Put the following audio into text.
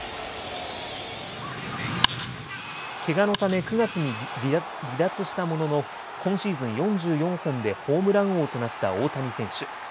けがのため９月に離脱したものの今シーズン４４本でホームラン王となった大谷選手。